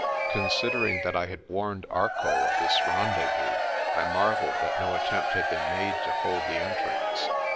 Consider ing that I had warned Arcoll of this rendezvous, I marvelled that no attempt had been made to hold the entrance.